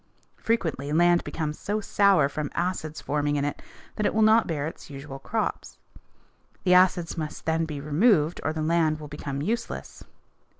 Frequently land becomes so sour from acids forming in it that it will not bear its usual crops. The acids must then be removed or the land will become useless.